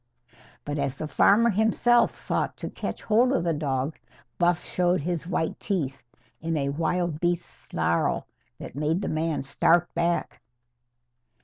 But, as the farmer himself sought to catch hold of the dog, Buff showed his white teeth in a wild beast snarl that made the man start back.